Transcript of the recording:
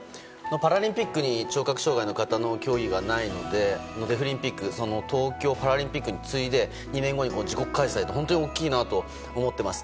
パラリンピックに聴覚障害の方はの競技がないのでデフリンピックが東京パラリンピックに次いで２年後に自国開催って本当に大きいなと思っています。